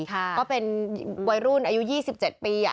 ก็เป็นวัยรุ่นอายุ๒๗ปี